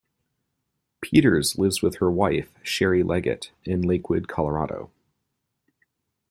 Peters lives with her wife, Sherri Leggett, in Lakewood, Colorado.